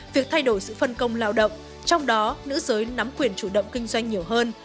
việc thay đổi sự phân công lao động trong đó nữ giới nắm quyền chủ động kinh doanh nhiều hơn